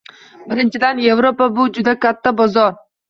Birinchidan, Yevropa — bu juda katta bozor.